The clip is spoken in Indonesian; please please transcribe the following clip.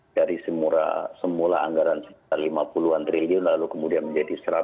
dari semurah dari kebanyakan dari kebanyakan dari kebanyakan dari kebanyakan dari kebanyakan dari kebanyakan